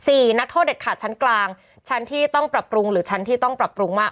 นักโทษเด็ดขาดชั้นกลางชั้นที่ต้องปรับปรุงหรือชั้นที่ต้องปรับปรุงมาก